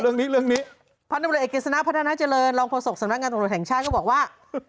เอาเรื่องนี้พันธุ์บริเวณเอกสณะพัฒนาเจริญรองโพศกสำนักงานตรงโดยแห่งชายก็บอกว่า